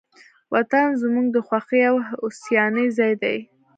وطن زموږ د خوښۍ او هوساینې ځای دی.